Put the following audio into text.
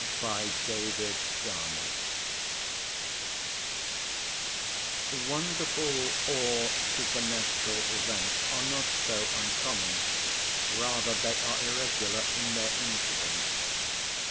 TEBRICK AT HOME] Wonderful or supernatural events are not so uncommon, rather they are irregular in their incidence.